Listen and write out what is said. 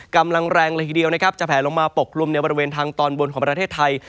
กำลังแรงหลังเดียวจะแผลลงมาปกรรมในบริเวณทางตอนบนของประเทศไทย